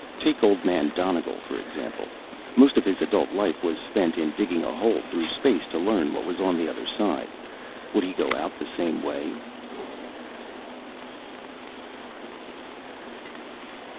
Take old man Donegal, for example. Most of his adult life was spent in digging a hole through space to learn what was on the other side. Would he go out the same way?